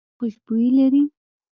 ګل خوشبويي لري.